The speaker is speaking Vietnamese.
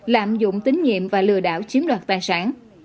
lạm dụng tín nhiệm và lừa đảo chiếm đoạt tài sản